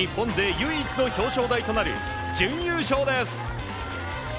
唯一の表彰台となる準優勝です。